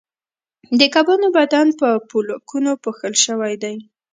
د کبانو بدن په پولکونو پوښل شوی دی